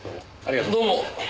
どうも。